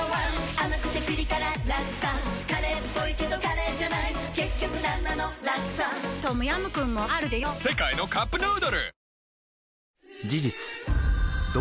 甘くてピリ辛ラクサカレーっぽいけどカレーじゃない結局なんなのラクサトムヤムクンもあるでヨ世界のカップヌードル